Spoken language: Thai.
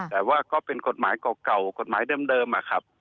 แต่ว่าก็เป็นกฎหมายเก่ากฎหมายเดิมอะครับ